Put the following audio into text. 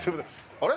あれ？